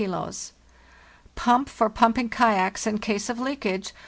7 Pump (for pumping kayaks in case of leakage)